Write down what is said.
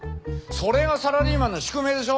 それがサラリーマンの宿命でしょ？